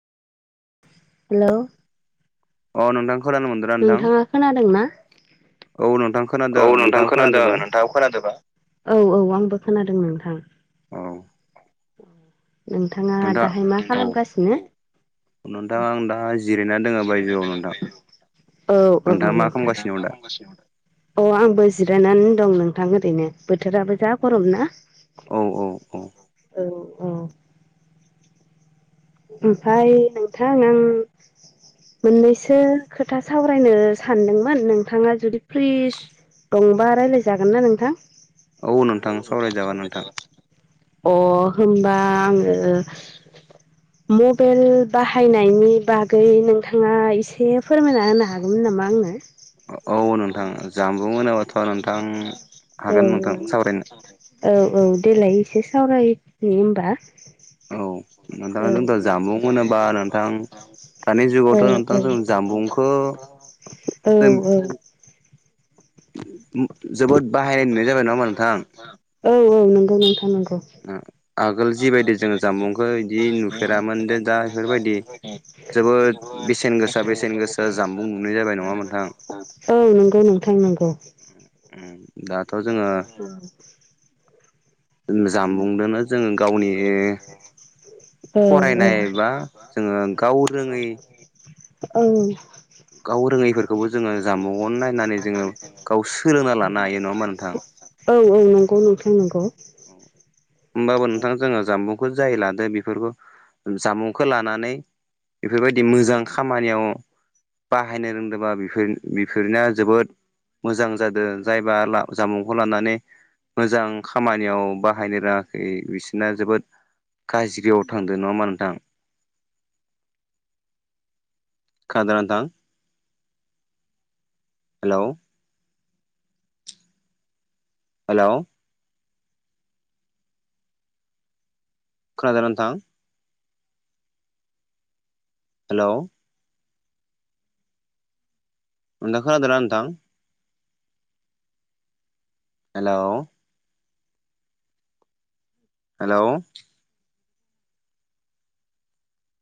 hello अ नोंथां खोनानो मोन्दों नोंथाङा खोनादों ना औ नोंथां खोनादों औ आङो नोंथां नोंथाङाबो खोनादों खोनादोंबा नोंथाङाबो खोनादोंबा औ-औ आंबो खोनादों नोंथां औ नोंथाङा नोंथां दाहाय मा औ खालामगासिनो नोंथां आं दा जिरायना दोङ बायजोआव नोंथां औ-औ नोंथाङा मा नोंथां खालामगासिनो दा अ आंबो जिरायनानै दं नोंथां ओरैनो बोथोराबो जा गरमना औ औ औ औ-औ ओमफ्राय नोंथां आं मोननैसो खोथा सावरायनो सानदोंमोन नोंथाङा जुदि फ्रिस दंबा रायलाय जागोनना नोंथां औ नोंथां सावराय जागोन नोंथां अ होमबा आङो मबाइल बाहायनायनि बागै नोंथाङा एसे फोरमायना होनो हा गोन नामा आंनो [unintelligible] औ नोंथां जामबुं होनोबाथ' नोंथां हागोन नोंथां औ सावरायनो औ-औ देलाय एसे सावरायनि होमबा औ नोंथाङा जोंथ' जामुं होनोबा नोंथां [unintelligible] दानि जुगावथ' नोंथां जों जामबुंखौ [unintelligible] जों औ-औ जोबोद बाहायनाय नुनाय जाबाय नामा नोंथां औ-औ नंगौ नोंथा नंगौ आगोल जिबायदि जोङो जामबुंखौ इदि नुफेरामोन दा बेफोरबायदि जोबोद बेसेन गोसा बेसेन गोसा जामबुं नुनाय जाबाय नङा ओमबा नोंथां औ नंगौ नोंथां नंगौ दाथ' जोङो जामबुंदोनो जोङो गावनि औ फरायनाय बा जोङो गाव रोङै औ गाव रोङैफोरखौबो जोङो जामबुङावनो नायनानै जोङो गाव सोलोंना लानो हायो नङा होमबा नोंथां औ औ नंगौ नोंथां नंगौ होमबाबो नोंथां जोङो जामबुंखौ जाय लादो बेफोरखौ जामुंखौ लानानै बेफोरबायदि मोजां खामानियाव बाहायनो रोंदोंबा बेफोर बेफोरना जोबोद मोजां जादों जायबा जामुंखौ लानानै मोजां खामानियाव बाहायनो रोङाखै बिसोरना जोबोद गाज्रियाव थांदों नङा होमबा नोंथां खोनादोंना नोंथां हेल' हेल' खोनादोंना नोंथां हेल' नोंथां खोनादों ना नोंथां हेल' हेल'